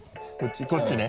こっちね？